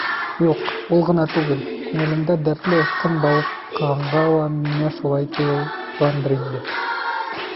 Юҡ, ул ғына түгел, күңелемдә дәртле осҡон балҡығанға ла миңә шулай тойолғандыр инде.